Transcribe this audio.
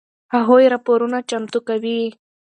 هغوی راپورونه چمتو کوي.